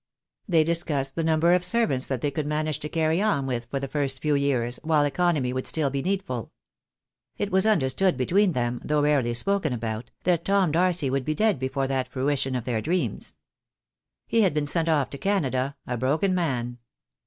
They discussed the number of servants that they could manage to carry on with for the first few years, while economy would still be needful. It was understood between them, though rarely spoken about, that Tom Darcy would be dead before that fruition of their dreams. He had been sent off to Canada, a broken man.